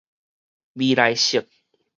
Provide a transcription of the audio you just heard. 未來式